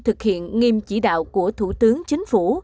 thực hiện nghiêm chỉ đạo của thủ tướng chính phủ